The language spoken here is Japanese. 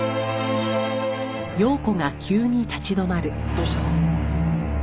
どうしたの？